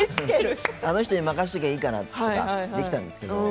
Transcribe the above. あの人に任せておけばいいかなとかできたんですけど。